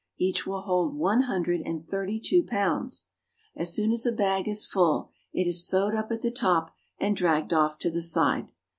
Each will hold one hundred and thirty two pounds. As soon as a bag is full it is sewed up at the top and dragged off to the side.